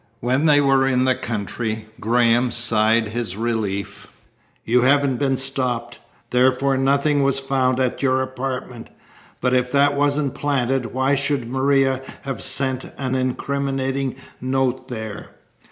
When they were in the country Graham sighed his relief. "You haven't been stopped. Therefore, nothing was found at your apartment, but if that wasn't planted why should Maria have sent an incriminating note there?"